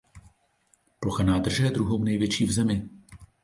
Plocha nádrže je druhou největší v zemi.